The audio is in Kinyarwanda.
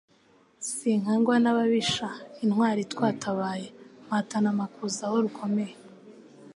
Sinkangwa n'ababisha intwari twatabaye. Mpatana amakuza aho rukomeye